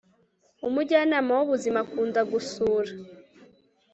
umujyanama w'ubuzima akunda gusura